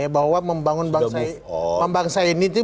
bahwa membangun bangsa ini